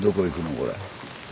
これ。